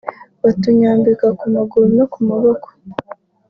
batunyambika ku maguru no ku maboko